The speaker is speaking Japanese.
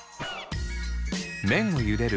麺をゆでる